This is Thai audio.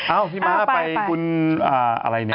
พี่ม้าไปคุณอะไรเนี่ย